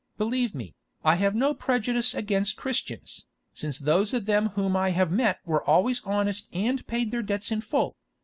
Believe me, I have no prejudice against Christians, since those of them whom I have met were always honest and paid their debts in full.